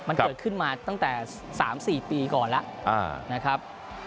มันเกิดขึ้นมาตั้งแต่๓๔ปีก่อนแล้วนะครับ